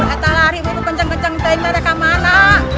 atau lari begitu kenceng kenceng kita ini ada kemana